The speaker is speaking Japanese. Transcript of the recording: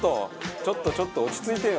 「ちょっとちょっと落ち着いてよ！」